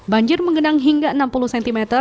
banjir mengenang hingga enam puluh cm